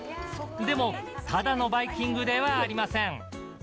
でも、ただのバイキングではありません。